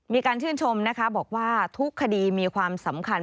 มีการชื่นชมนะคะบอกว่าทุกคดีมีความสำคัญ